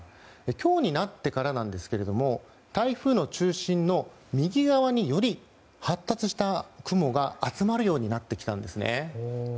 今日になってからなんですが台風の中心の右側により発達した雲が集まるようになってきたんですね。